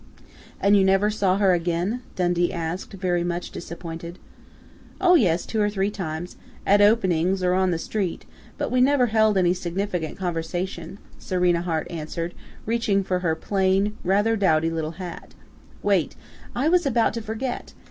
"And you never saw her again?" Dundee asked, very much disappointed. "Oh, yes, two or three times at openings, or on the street, but we never held any significant conversation," Serena Hart answered, reaching for her plain, rather dowdy little hat. "Wait! I was about to forget!